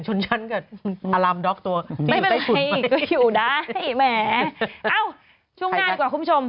ช่วงน่ากว่าคุณผู้ชม